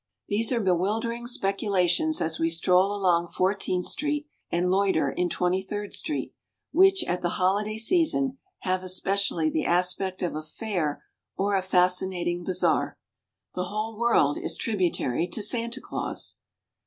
These are bewildering speculations as we stroll along Fourteenth Street and loiter in Twenty third Street, which, at the holiday season, have especially the aspect of a fair or a fascinating bazaar. The whole world is tributary to Santa Claus.